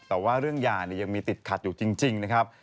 แต่ว่าเรื่องยายังมีติดขัดอยู่จริงนะครับ